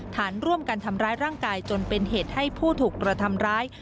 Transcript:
ฐานร่วมกันทำร้ายร่างกายจนเป็นเหตุให้ผู้ถูกกระทำร้าย